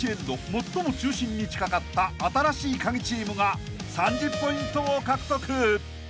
最も中心に近かった新しいカギチームが３０ポイントを獲得］